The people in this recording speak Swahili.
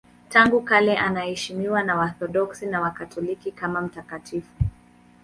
Tangu kale anaheshimiwa na Waorthodoksi na Wakatoliki kama mtakatifu.